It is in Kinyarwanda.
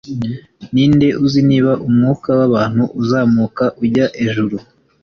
ni nde uzi niba umwuka w'abantu uzamuka ujya ejuru